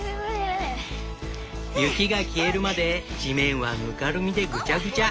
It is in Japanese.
雪が消えるまで地面はぬかるみでぐちゃぐちゃ。